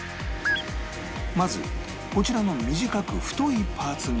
まずこちらの短く太いパーツに